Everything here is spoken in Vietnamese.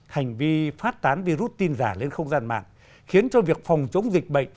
hành vi phát tán virus tin giả lên không gian mạng khiến cho việc phòng chống dịch bệnh